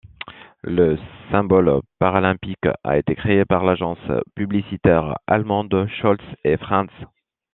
Le symbole paralympique a été créé par l'agence publicitaire allemande Scholz & Friends.